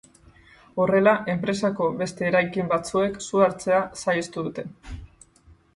Horrela, enpresako beste eraikin batzuek su hartzea saihestu dute.